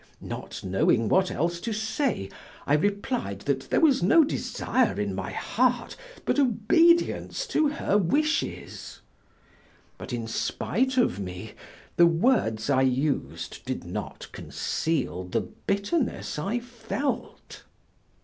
Not knowing what else to say, I replied that there was no desire in my heart but obedience to her wishes. But in spite of me, the words I used did not conceal the bitterness I felt.